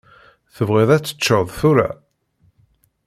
Tebɣiḍ ad teččeḍ tura?